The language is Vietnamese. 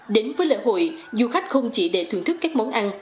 đến với lễ hội du khách không chỉ để thưởng thức các món ăn